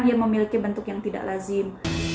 dia memiliki bentuk yang tidak lazim